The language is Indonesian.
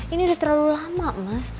ini udah terlalu lama mas